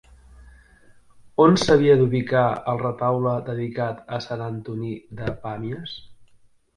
On s'havia d'ubicar el retaule dedicat a Sant Antoní de Pàmies?